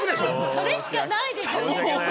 それしかないですよねでもね。